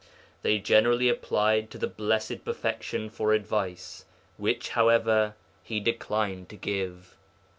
They generally applied to the Blessed Perfection for advice, which, however, he declined to give.